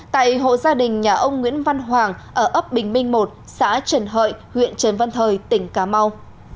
tại hộ gia đình nhà ông nguyễn văn hoàng ở ấp bình minh một xã trần hợi huyện trần văn thời tỉnh cà mau